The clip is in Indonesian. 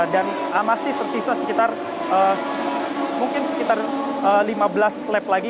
dan masih tersisa sekitar mungkin sekitar lima belas lap lagi